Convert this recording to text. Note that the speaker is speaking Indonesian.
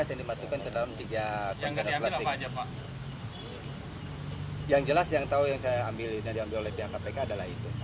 yang jelas yang tahu yang saya ambil dan diambil oleh pihak kpk adalah itu